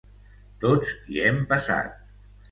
Tots hi hem passat.